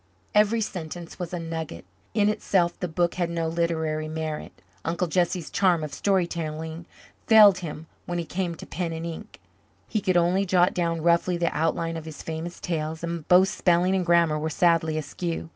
Every sentence was a nugget. In itself the book had no literary merit; Uncle Jesse's charm of story telling failed him when he came to pen and ink; he could only jot down roughly the outlines of his famous tales, and both spelling and grammar were sadly askew.